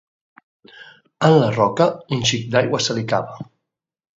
En la roca, un xic d'aigua salicava.